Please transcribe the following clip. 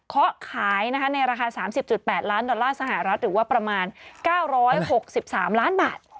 เขาขายในราคา๓๐๘ล้านดอลลาร์สหรัฐหรือว่าประมาณ๙๖๓ล้านบาท